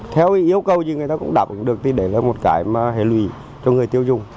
theo yêu cầu thì người ta cũng đảm bảo được để là một cái mà hề lùi cho người tiêu dùng